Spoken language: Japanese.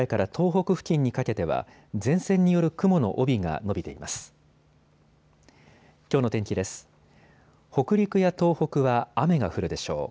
北陸や東北は雨が降るでしょう。